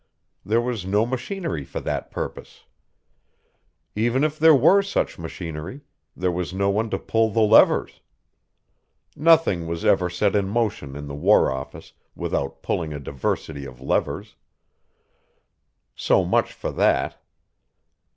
There was no machinery for that purpose. Even if there were such machinery, there was no one to pull the levers. Nothing was ever set in motion in the War Office without pulling a diversity of levers. So much for that.